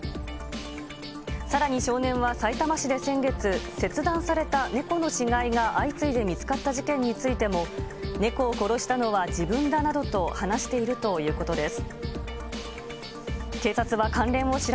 さらに少年はさいたま市で先月、切断された猫の死骸が相次いで見つかった事件についても、猫を殺したのは自分だなどと話しているということです。